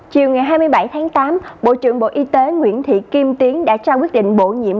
chiều ngày hai mươi bảy tháng tám bộ trưởng bộ y tế nguyễn thị kim tiến đã trao quyết định bổ nhiệm